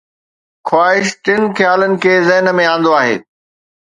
خواهش ٽن خيالن کي ذهن ۾ آندو آهي